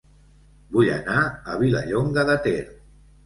Vull anar a Vilallonga de Ter